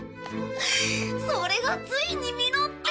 それがついに実って。